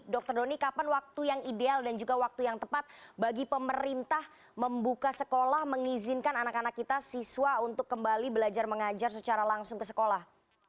dr doni kapan waktu yang ideal dan juga waktu yang tepat bagi pemerintah membuka sekolah mengizinkan anak anak kita siswa untuk kembali belajar mengajar secara langsung ke sekolah